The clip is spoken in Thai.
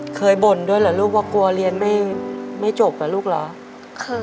บ่นด้วยเหรอลูกว่ากลัวเรียนไม่จบเหรอลูกเหรอเคย